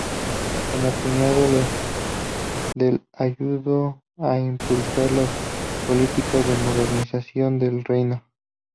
Como cuñado del ayudó a impulsar las políticas de modernización del reino.